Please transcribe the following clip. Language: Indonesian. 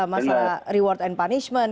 masalah reward and punishment